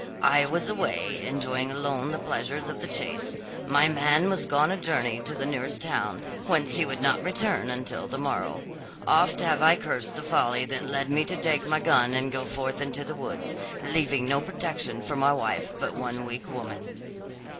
I was away, enjoying alone the pleasures of the chase; my man was gone a journey to the nearest town, whence he would not return until the morrow. Oft have I cursed the folly that led me to take my gun and go forth into the woods, leaving no protector for my wife but one weak woman.